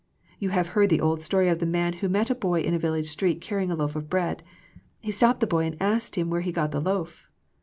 You have heard the old story of the man who met a boy in a village street carrying a loaf of bread. He stopped the boy and asked him where he got the loaf.